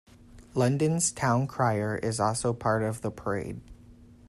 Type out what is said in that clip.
London's town crier is also part of the parade.